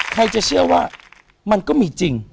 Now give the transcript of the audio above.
ใครจะเชื่อว่ามันก็มีจริง